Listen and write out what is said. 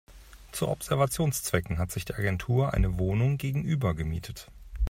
Zu Observationszwecken hat sich die Agentur eine Wohnung gegenüber gemietet.